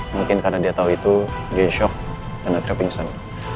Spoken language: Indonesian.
mungkin karena dia tahu itu dia shock karena dia pingsan